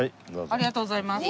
ありがとうございます。